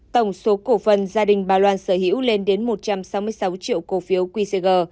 tổng số cổ phần gia đình bà loan sở hữu lên đến một trăm sáu mươi sáu triệu cổ phiếu qcg